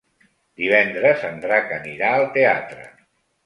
Divendres en Drac anirà al teatre.